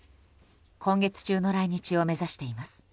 今月中の来日を目指しています。